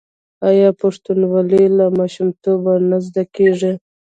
آیا پښتونولي له ماشومتوبه نه زده کیږي؟